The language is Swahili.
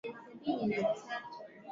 kuanzisha idadi nzima ya watu karibu nayo